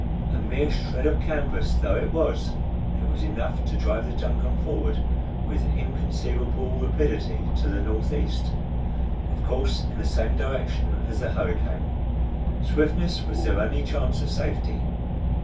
A mere shred of canvas though it was, it was enough to drive the DUNCAN forward with inconceivable rapidity to the northeast, of course in the same direction as the hurricane. Swiftness was their only chance of safety.